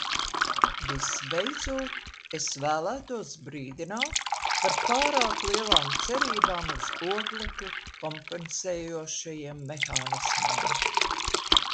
Visbeidzot es vēlētos brīdināt par pārāk lielām cerībām uz oglekli kompensējošajiem mehānismiem.